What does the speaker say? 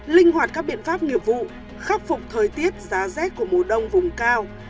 linh hoạt các biện pháp nghiệp vụ khắc phục thời tiết giá rét của mùa đông vùng cao